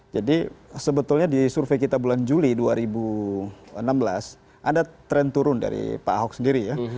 jadi sebetulnya di survei kita bulan juli dua ribu enam belas ada trend turun dari pak ahok sendiri ya